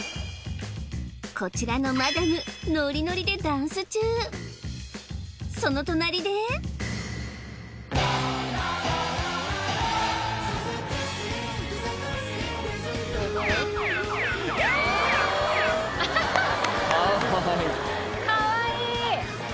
こちらのマダムノリノリでダンス中その隣でアハハ